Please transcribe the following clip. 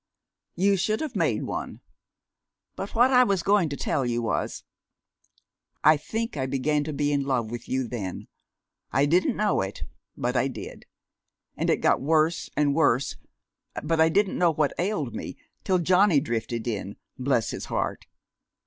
"You should have made one. But what I was going to tell you was I think I began to be in love with you then. I didn't know it, but I did. And it got worse and worse but I didn't know what ailed me till Johnny drifted in, bless his heart!